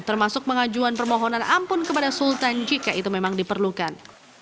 termasuk pengajuan permohonan ampun kepada sultan jika itu memang diperlukan